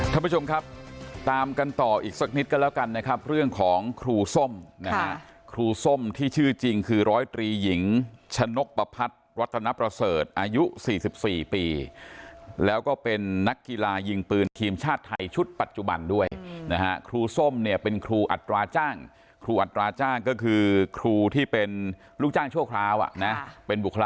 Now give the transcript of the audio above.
ท่านผู้ชมครับตามกันต่ออีกสักนิดก็แล้วกันนะครับเรื่องของครูส้มนะฮะครูส้มที่ชื่อจริงคือร้อยตรีหญิงชะนกประพัดรัตนประเสริฐอายุ๔๔ปีแล้วก็เป็นนักกีฬายิงปืนทีมชาติไทยชุดปัจจุบันด้วยนะฮะครูส้มเนี่ยเป็นครูอัตราจ้างครูอัตราจ้างก็คือครูที่เป็นลูกจ้างชั่วคราวอ่ะนะ